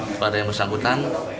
kepada yang bersangkutan